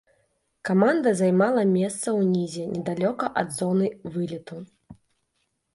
Каманда займала месца ўнізе, недалёка ад зоны вылету.